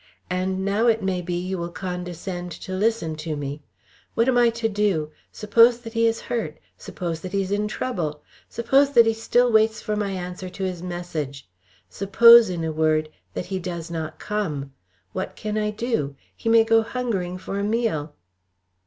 "And now it may be, you will condescend to listen to me. What am I to do? Suppose that he is hurt! Suppose that he is in trouble! Suppose that he still waits for my answer to his message! Suppose in a word that he does not come! What can I do? He may go hungering for a meal."